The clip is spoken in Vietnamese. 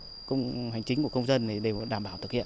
các thủ tục hành chính của công dân đều đảm bảo thực hiện